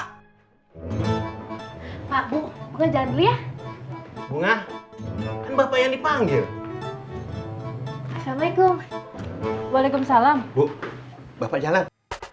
hai pak bu buka jadul ya bunga bapak yang dipanggil assalamualaikum waalaikumsalam bapak jalan